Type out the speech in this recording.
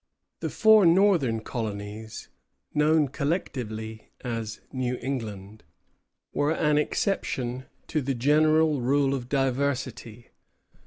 The four northern colonies, known collectively as New England, were an exception to the general rule of diversity.